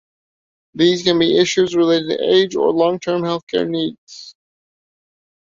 These can be issues relating to age or long-term health-care needs.